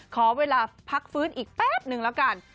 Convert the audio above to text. ขอเวลาพักฟื้นอีกแป๊บนึงแล้วกัน